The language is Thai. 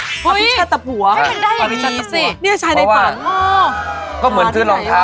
เฮ้ยมันได้อย่างนี้สินี่ชายในปาก